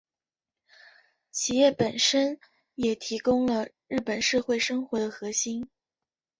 企业本身也提供了日本社会生活的核心。